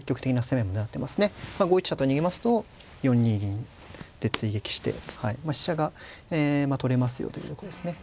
５一飛車と逃げますと４二銀で追撃して飛車が取れますよというとこですね。